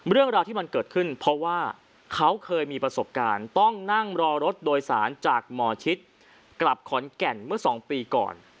เรื่องราวที่มันเกิดขึ้นเพราะว่าเขาเคยมีประสบการณ์ต้องนั่งรอรถโดยสารจากหมอชิดกลับขอนแก่นเมื่อ๒ปีก่อน